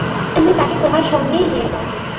তুমি তাকে তোমার সঙ্গেই নিয়ে যাও।